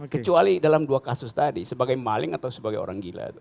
kecuali dalam dua kasus tadi sebagai maling atau sebagai orang gila